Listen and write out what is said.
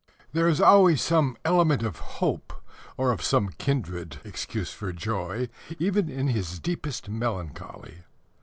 There is always some element of hope, or of some kindred excuse for joy, even in his deepest melancholy.